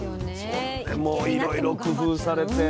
それもいろいろ工夫されてね。